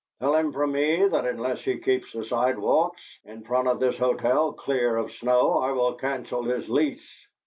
Tell him from me that unless he keeps the sidewalks in front of this hotel clear of snow I will cancel his lease.